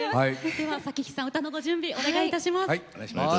では咲妃さん歌のご準備お願いいたします。